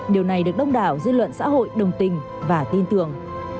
điều này được đông đảo dư luận xã hội đồng tình và tin tưởng